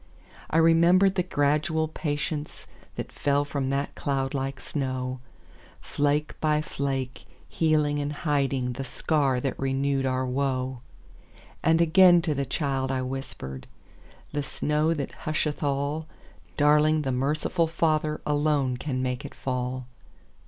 I remembered the gradual patienceThat fell from that cloud like snow, Flake by flake, healing and hidingThe scar that renewed our woe. And again to the child I whispered,"The snow that husheth all, Darling, the merciful FatherAlone can make it fall!"